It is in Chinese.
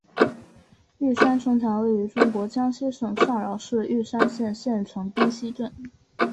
玉山城墙位于中国江西省上饶市玉山县县城冰溪镇。